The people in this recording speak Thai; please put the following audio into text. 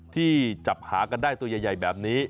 ที่จับหากันได้ตัวใหญ่แบบนี้